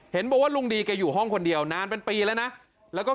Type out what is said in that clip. เห็นบอกว่าลุงดีแกอยู่ห้องคนเดียวนานเป็นปีแล้วนะแล้วก็